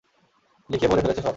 লিখে ভরে ফেলেছে সব।